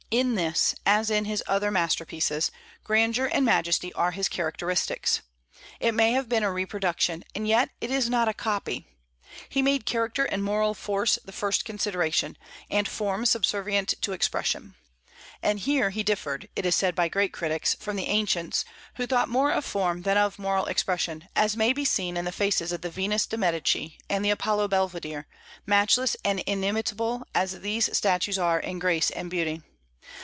In this, as in his other masterpieces, grandeur and majesty are his characteristics. It may have been a reproduction, and yet it is not a copy. He made character and moral force the first consideration, and form subservient to expression. And here he differed, it is said by great critics, from the ancients, who thought more of form than of moral expression, as may be seen in the faces of the Venus de Medici and the Apollo Belvedere, matchless and inimitable as these statues are in grace and beauty.